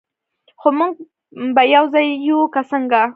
خو موږ به یو ځای یو، که څنګه؟